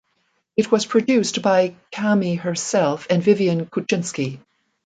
It was produced by Caymmi herself and Vivian Kuczynski.